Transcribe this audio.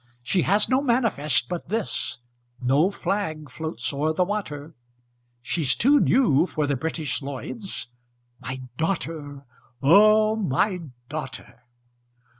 She has no manifest but this, No flag floats o'er the water, She's too new for the British Lloyds My daughter, O my daughter!